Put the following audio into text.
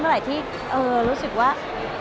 เมื่อไหร่ที่รู้สึกว่า